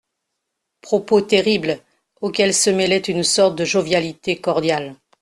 Propos terribles auxquels se mêlait une sorte de jovialité cordiale.